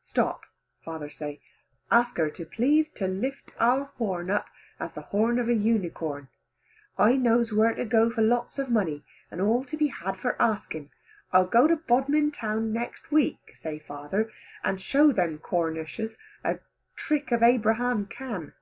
Stop," father say, "ask her to please to lift our horn up as the horn of an unicorn. I knows where to go for lots of money and all to be had for asking. I'll go to Bodmin town next week," say father, "and show them Cornishers a trick of Abraham Cann.